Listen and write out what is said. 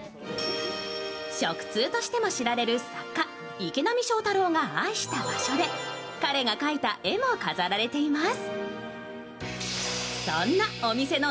食通としても知られる作家・池波正太郎が愛した場所で彼が描いた絵も飾られています。